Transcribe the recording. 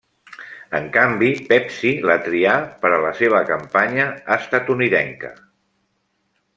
En canvi, Pepsi la trià per a la seva campanya estatunidenca.